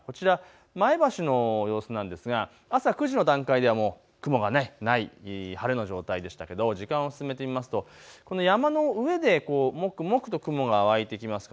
前橋の様子ですが朝９時の段階では雲がない晴れの状態でしたが時間を進めてみると山の上でもくもくと雲が湧いてきます。